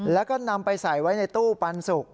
แล้วก็นำไปใส่ไว้ในตู้ปันสุก